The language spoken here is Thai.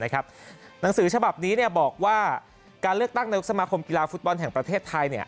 หนังสือฉบับนี้บอกว่าการเลือกตั้งนายกสมาคมกีฬาฟุตบอลแห่งประเทศไทย